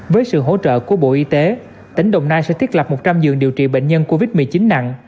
với sự hỗ trợ của bộ y tế tỉnh đồng nai sẽ thiết lập một trăm linh giường điều trị bệnh nhân covid một mươi chín nặng